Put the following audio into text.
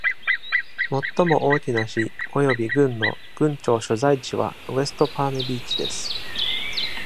最も大きな市および郡の郡庁所在地はウェストパームビーチです。